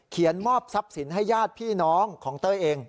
มอบทรัพย์สินให้ญาติพี่น้องของเต้ยเอง